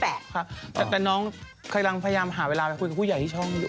แต่น้องกำลังพยายามหาเวลาไปคุยกับผู้ใหญ่ที่ช่องอยู่